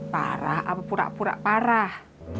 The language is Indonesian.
parah pura pura parah